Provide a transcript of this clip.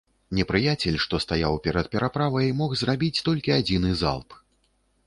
Непрыяцель, што стаяў перад пераправай, змог зрабіць толькі адзіны залп.